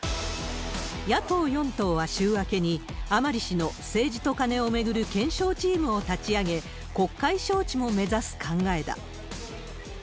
野党４党は週明けに甘利氏の政治とカネを巡る検証チームを立ち上げ、国会招致も目指す考えだ。